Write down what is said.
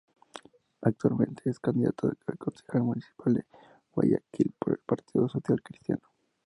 Actualmente es candidato a concejal municipal de Guayaquil por el Partido Social Cristiano.